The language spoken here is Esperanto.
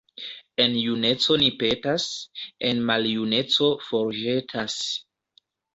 En juneco ni petas, en maljuneco forĵetas.